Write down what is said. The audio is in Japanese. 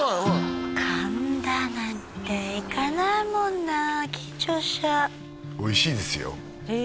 神田なんて行かないもんな緊張しちゃうおいしいですよへえ